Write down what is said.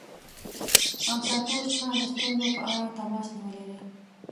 امپراطور ستا د ستونزو په اړه تماس نیولی دی.